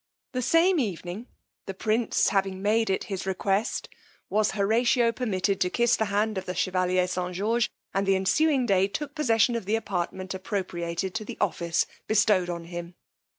That same evening, the prince having made it his request, was Horatio permitted to kiss the hand of the Chevalier St. George, and the ensuing day took possession of the apartment appropriated to the office bestowed on him.